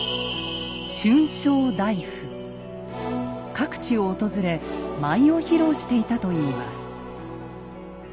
各地を訪れ舞を披露していたといいます。